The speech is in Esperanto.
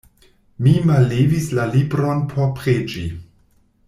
Mi mallevis la libron por preĝi.